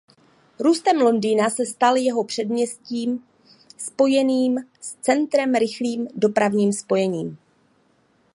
Růstem Londýna se stal jeho předměstím spojeným s centrem rychlým dopravním spojením.